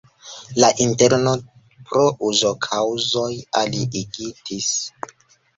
La interno pro uzokaŭzoj aliigitis.